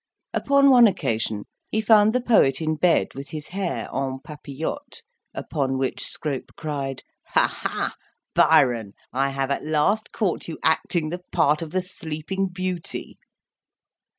Upon one occasion he found the poet in bed with his hair en papillote, upon which Scrope cried, "Ha, ha! Byron, I have at last caught you acting the part of the Sleeping Beauty."